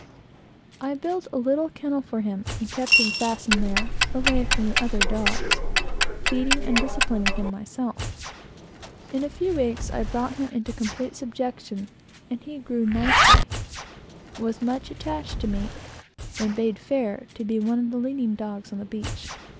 I built a little kennel for him, and kept him fastened there, away from the other dogs, feeding and disciplining him myself. In a few weeks, I got him in complete subjection, and he grew finely, was very much attached to me, and bid fair to be one of the leading dogs on the beach.